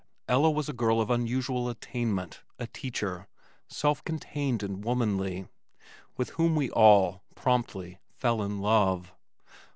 Ella was a girl of unusual attainment, a teacher, self contained and womanly, with whom we all, promptly, fell in love.